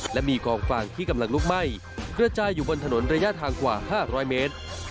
และมีกองฟางที่กำลังลุกไหม้กระจายอยู่บนถนนระยะทางกว่า๕๐๐เมตร